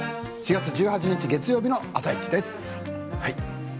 ４月１８日月曜日の「あさイチ」です。